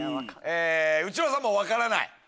内村さんも分からない？